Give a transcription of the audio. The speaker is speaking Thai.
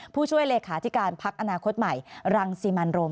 ผู้ช่วยเลขาธิการพักอนาคตใหม่รังสิมันโรม